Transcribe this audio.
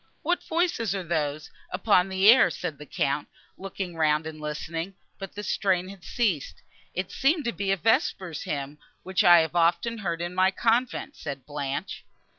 "What voices are those, upon the air?" said the Count, looking round, and listening; but the strain had ceased. "It seemed to be a vesper hymn, which I have often heard in my convent," said Blanche.